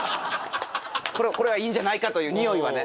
これはいいんじゃないかというにおいはね。